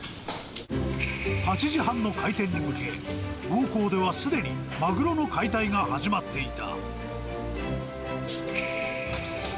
８時半の開店に向け、魚幸ではすでにマグロの解体が始まっていた。